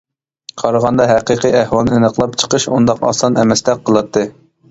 قارىغاندا ھەقىقىي ئەھۋالنى ئېنىقلاپ چىقىش ئۇنداق ئاسان ئەمەستەك قىلاتتى.